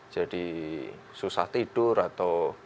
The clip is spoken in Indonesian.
jadi susah tidur atau